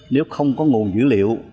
nếu không có nguồn dữ liệu